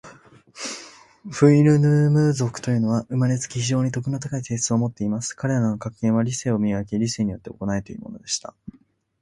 フウイヌム族というのは、生れつき、非常に徳の高い性質を持っています。彼等の格言は、『理性を磨け。理性によって行え。』というのでした。